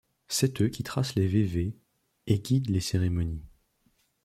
C'est eux qui tracent les vévés et guident les cérémonies.